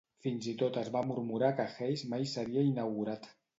Fins i tot es va murmurar que Hayes mai seria inaugurat.